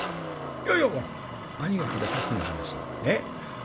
「いやいや兄ぃが聞いたさっきの話ねっ。